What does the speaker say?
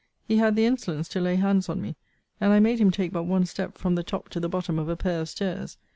He had the insolence to lay hands on me: and I made him take but one step from the top to the bottom of a pair of stairs.